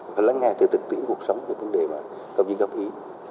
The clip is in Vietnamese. phải lắng nghe từ thực tế cuộc sống về vấn đề mà không chỉ gặp ý